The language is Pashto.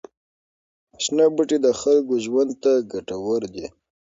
شنه بوټي د خلکو ژوند ته ګټور دي.